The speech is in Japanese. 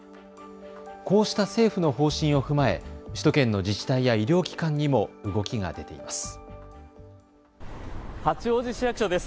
こうした政府の方針を踏まえ首都圏の自治体や医療機関にも動きが出ています。